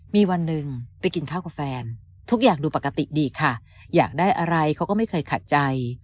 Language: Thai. มีวันหนึ่งไปกินข้าวกับแฟนทุกอย่างดูปกติดีค่ะอยากได้อะไรเขาก็ไม่เคยขัดใจ